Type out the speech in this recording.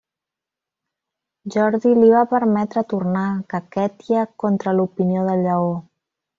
Jordi li va permetre tornar a Kakhètia contra l'opinió de Lleó.